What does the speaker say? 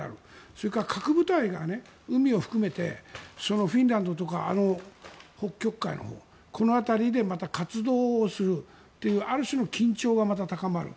それから核部隊が海も含めてフィンランドとか北極海のほうこの辺りでまた活動をするというある種の緊張がまた高まる。